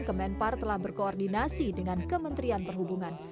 kemenpar telah berkoordinasi dengan kementerian perhubungan